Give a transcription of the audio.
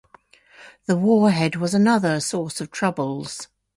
The warhead was another source of troubles.